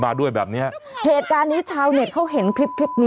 อ้าวไม่ใช่